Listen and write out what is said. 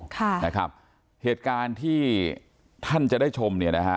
ค่ะนะครับเหตุการณ์ที่ท่านจะได้ชมเนี่ยนะฮะ